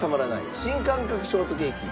新感覚ショートケーキ